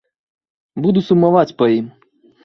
Буду сумаваць па ім.